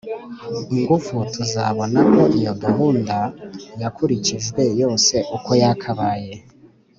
ingufu Tuzabona ko iyo gahunda yakurikijwe yose uko yakabaye